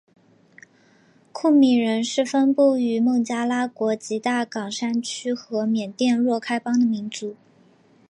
库米人是分布于孟加拉国吉大港山区和缅甸若开邦的民族。